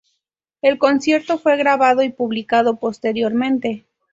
El concierto fue grabado y publicado posteriormente.